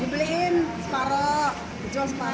dibeliin separoh dijual separoh